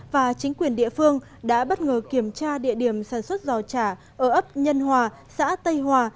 và chính quyền địa phương đã bất ngờ kiểm tra địa điểm sản xuất giò chả ở ấp nhân hòa xã tây hòa